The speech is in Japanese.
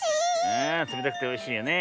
ああつめたくておいしいよね。